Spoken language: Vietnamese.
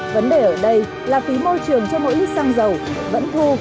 vấn đề ở đây là phí môi trường cho mỗi lít xăng dầu vẫn thu